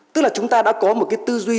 tức là chúng ta đã có một cái tư duy